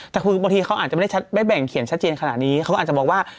แต่คือบางทีเขาอาจจะไม่ได้แบ่งเขียนชัดเจนขนาดนี้เขาก็อาจจะมองว่า